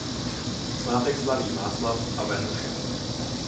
Svátek slaví Václav a Venuše.